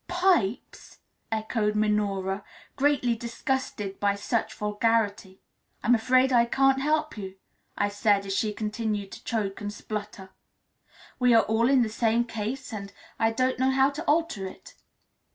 "Pipes!" echoed Minora, greatly disgusted by such vulgarity. "I'm afraid I can't help you," I said, as she continued to choke and splutter; "we are all in the same case, and I don't know how to alter it."